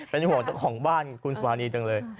เป็นห่วงเจ้าของบ้านคุณสุภานีจังเลย